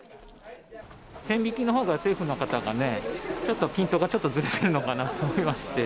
線引きのほうが、政府の方がね、ちょっとピントがちょっとずれているのかなと思いまして。